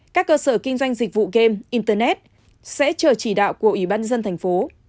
các cơ sở kinh doanh dịch vụ game internet sẽ chờ chỉ đạo của ubnd tp